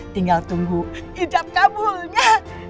tinggal tunggu hidup kamu ya